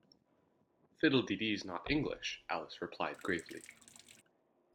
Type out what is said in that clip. ‘Fiddle-de-dee’s not English,’ Alice replied gravely.